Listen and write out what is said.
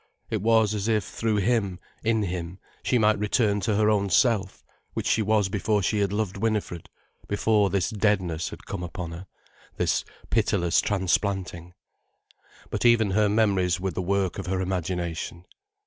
It was as if, through him, in him, she might return to her own self, which she was before she had loved Winifred, before this deadness had come upon her, this pitiless transplanting. But even her memories were the work of her imagination.